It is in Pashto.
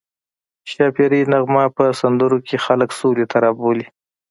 ښاپیرۍ نغمه په سندرو کې خلک سولې ته رابولي